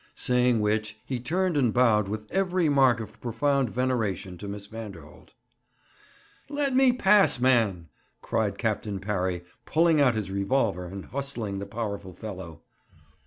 Saying which, he turned and bowed with every mark of profound veneration to Miss Vanderholt. 'Let me pass, man!' cried Captain Parry, pulling out his revolver and hustling the powerful fellow.